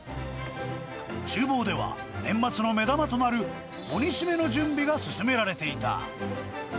ちゅう房では、年末の目玉となるお煮しめの準備が進められていた。